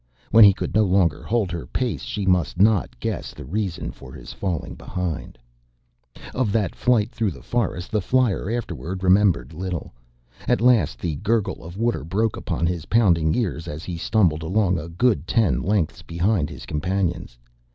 When he could no longer hold her pace she must not guess the reason for his falling behind. Of that flight through the forest the flyer afterward remembered little. At last the gurgle of water broke upon his pounding ears, as he stumbled along a good ten lengths behind his companions.